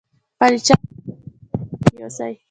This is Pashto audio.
خپلې چارې په برياليتوب مخکې يوسي.